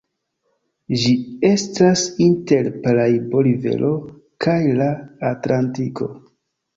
Ĝi estas inter Paraibo-rivero kaj la Atlantiko.